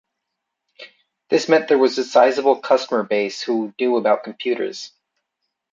This meant there was a sizable customer base who knew about computers.